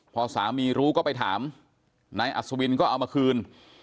พอสามีรู้ก็ไปถามนายอัศวินก็เอามาคืน